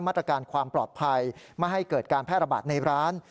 มาตรการความปลอดภัยไม่ให้เกิดการแพร่ระบาดในร้าน